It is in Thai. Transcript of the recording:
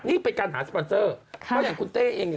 นี่เป็นการหาสปอนเซอร์เพราะอย่างคุณเต้เองเนี่ย